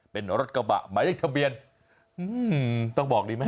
เป็นรถกระบะหมายเลขทะเบียนต้องบอกดีไหม